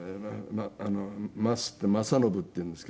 マスって雅信っていうんですけど。